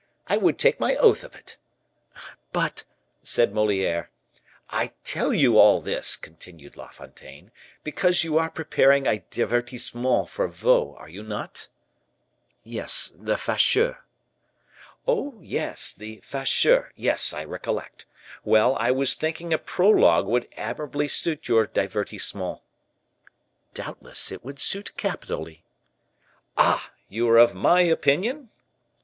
I would take my oath of it." "But " said Moliere. "I tell you all this," continued La Fontaine, "because you are preparing a divertissement for Vaux, are you not?" "Yes, the 'Facheux.'" "Ah, yes, the 'Facheux;' yes, I recollect. Well, I was thinking a prologue would admirably suit your divertissement." "Doubtless it would suit capitally." "Ah! you are of my opinion?"